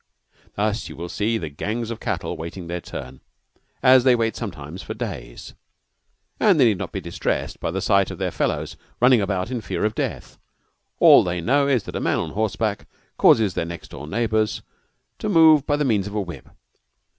Thus you will see the gangs of cattle waiting their turn as they wait sometimes for days; and they need not be distressed by the sight of their fellows running about in the fear of death. All they know is that a man on horseback causes their next door neighbors to move by means of a whip.